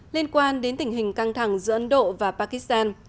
liên quan đến tình hình căng thẳng giữa ấn độ và pakistan